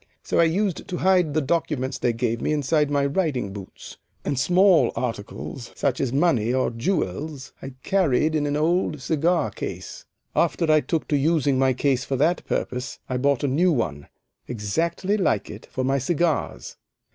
So I used to hide the documents they gave me inside my riding boots, and small articles, such as money or jewels, I carried in an old cigar case. After I took to using my case for that purpose I bought a new one, exactly like it, for my cigars.